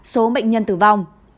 ba số bệnh nhân tử vong